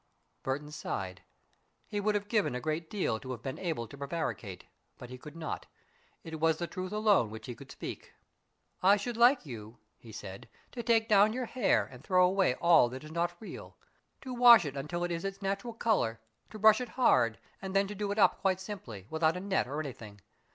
Burton sighed. He would have given a great deal to have been able to prevaricate, but he could not. It was the truth alone which he could speak. "I should like you," he said, "to take down your hair and throw away all that is not real, to wash it until it is its natural color, to brush it hard, and then do it up quite simply, without a net or anything.